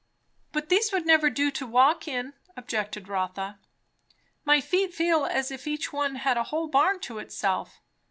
"But these would never do to walk in," objected Rotha. "My feet feel as if each one had a whole barn to itself.